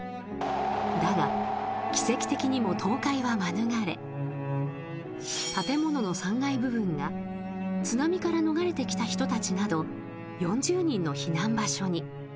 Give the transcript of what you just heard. だが、奇跡的にも倒壊は免れ建物の３階部分が津波から逃げてきた人たちなど４０人の避難場所に。